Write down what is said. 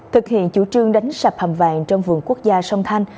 thực hiện chủ trương đánh sập hầm vàng trong vườn quốc gia sông thanh